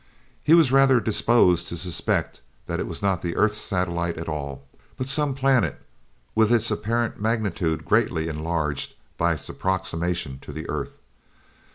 He was rather disposed to suspect that it was not the earth's satellite at all, but some planet with its apparent magnitude greatly enlarged by its approximation to the earth.